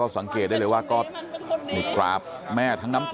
สังเกตที่มีความจริง